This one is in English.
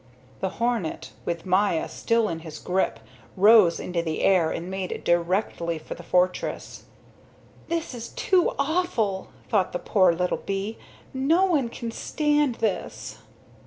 The hornet, with Maya still in his grip, rose into the air and made directly for the fortress. "This is too awful," thought the poor little bee. "No one can stand this."